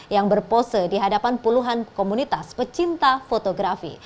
yang berpose di hadapan puluhan komunitas pecinta fotografi